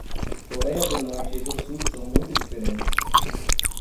Coréia do Norte e do Sul são muito diferentes.